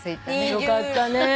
よかったね。